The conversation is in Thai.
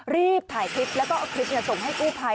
รีบถ่ายคลิปแล้วก็เอาคลิปส่งให้กู้ภัย